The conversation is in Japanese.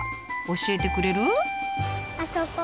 教えてくれる？